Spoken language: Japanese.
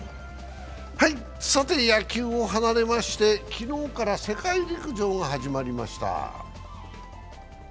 野球を離れまして、昨日から世界陸上が始まりました。